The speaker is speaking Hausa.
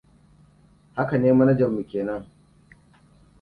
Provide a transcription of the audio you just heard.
Haka ne, manajanmu kenan.